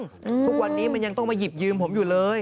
ทุกวันนี้มันยังต้องมาหยิบยืมผมอยู่เลย